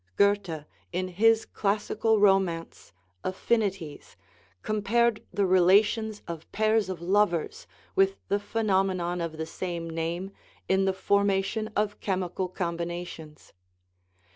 Goethe, in his classical romance, Affinities, compared the re lations of pairs of lovers with the phenomenon of the same name in the formation of chemical combinations.